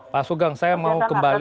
pak sugeng saya mau kembali